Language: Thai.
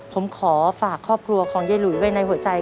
ผมขอฝากครอบครัวของยายหลุยไว้ในหัวใจ